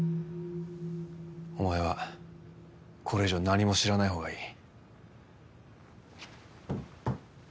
お前はこれ以上何も知らないほうがいい。